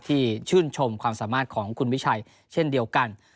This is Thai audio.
ชื่นชมความสามารถของคุณวิชัยเช่นเดียวกัน